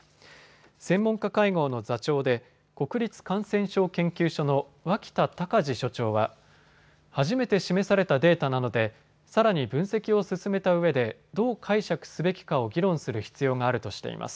専門家会合の座長で国立感染症研究所の脇田隆字所長は初めて示されたデータなのでさらに分析を進めたうえでどう解釈すべきかを議論する必要があるとしています。